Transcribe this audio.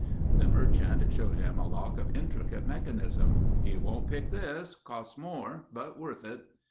The merchant showed him a lock of intricate mechanism, "He won't pick this. Costs more, but worth it."